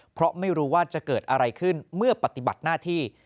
เพราะไม่รู้ว่าจะเกิดอะไรขึ้นเมื่อปฏิบัติหน้าที่